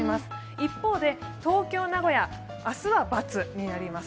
一方で、東京、名古屋、明日はばつになります。